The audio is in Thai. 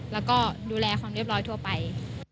แล้วก็ดูแลความเรียบร้อยทั่วไป